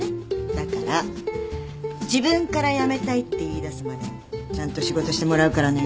だから自分から辞めたいって言いだすまでちゃんと仕事してもらうからね。